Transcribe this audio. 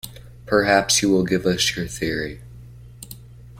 Perhaps you will give us your theory.